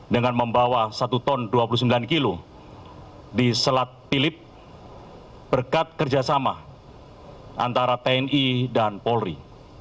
dengan membawa satu ton dua puluh sembilan kilo di selat philip berkat kerjasama antara tni dan polri